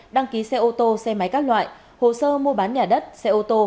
đăng ký xe ô tô xe máy các loại hồ sơ mua bán nhà đất xe ô tô